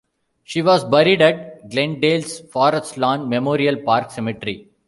She was buried at Glendale's Forest Lawn Memorial Park cemetery.